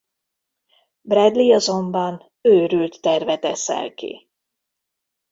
Bradley azonban őrült tervet eszel ki.